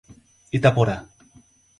Itaporã